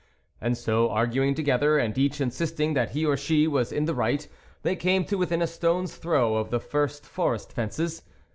And so arguing to gether, and each insisting that he or she was in the right, they came to within a stone's throw of the first forest fences.